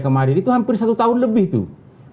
kemarin itu hampir satu tahun lebih tuh